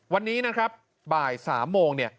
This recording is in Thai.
วันนี้นะครับบ่าย๓โมง